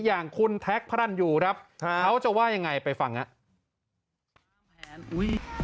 อย่างคุณแท็กพระรันยูครับเขาจะว่ายังไงไปฟังครับ